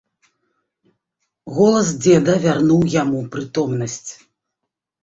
Голас дзеда вярнуў яму прытомнасць.